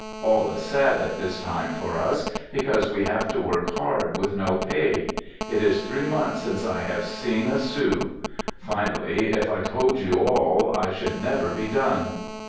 All is sad at this time for us, because we have to work hard with no pay. It is three months since I have seen a sou. Finally, if I told you all, I should never be done.